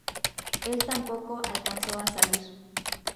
Él tampoco alcanzó a salir.